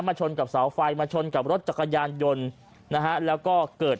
ชนกับเสาไฟมาชนกับรถจักรยานยนต์นะฮะแล้วก็เกิด